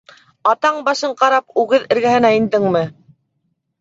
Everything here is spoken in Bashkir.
Атаң башын ҡарап үгеҙ эргәһенә индеңме?